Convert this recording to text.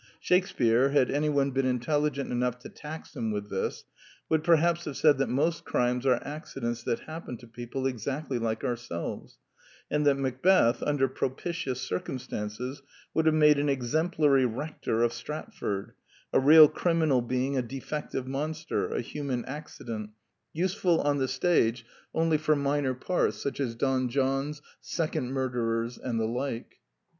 Shakespear, had anyone been intelligent enough to tax him with this, would perhaps have said that most crimes are accidents that happen to people exactly like ourselves, and that Macbeth, under propitious circumstances, would have made an exemplary rector of Strat ford, a real criminal being a defective monster, a human accident, useful on the stage only for 2 26 The Quintessence of Ibsenism minor parts such as Don Johns, second murderers, and the like.